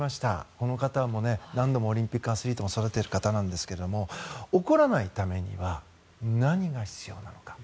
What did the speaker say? この方も何度もオリンピックアスリートも育てている方なんですが怒らないためには何が必要なのか。